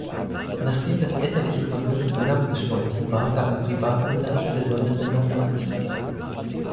Nachdem das elterliche Vermögen zusammengeschmolzen war, gab er Privatunterricht besonders in Mathematik.